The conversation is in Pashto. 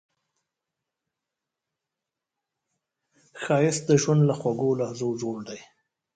ښایست د ژوند له خوږو لحظو جوړ دی